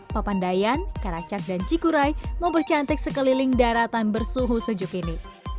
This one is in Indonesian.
papandayan karacak dan cikurai mempercantik sekeliling daratan bersuhu sejuk ini